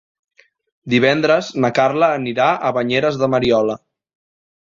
Divendres na Carla anirà a Banyeres de Mariola.